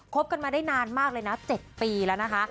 บกันมาได้นานมากเลยนะ๗ปีแล้วนะคะ